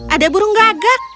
ada burung gagak